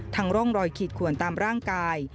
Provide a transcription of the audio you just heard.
ร่องรอยขีดขวนตามร่างกาย